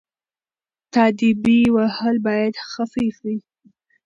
تاديبي وهل باید خفيف وي.